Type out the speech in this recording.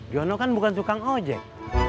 jono kan bukan tukang ojek